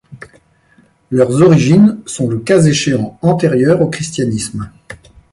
Leurs origines sont le cas échéant antérieures au christianisme.